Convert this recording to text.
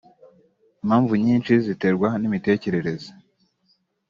Impamvu nyinshi ziterwa n’imitekerereze